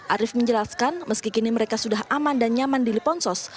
arief menjelaskan meski kini mereka sudah aman dan nyaman di liponsos